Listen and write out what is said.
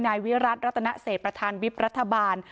นายวิรัติรัตนเศษประธานวิบรัฐบาล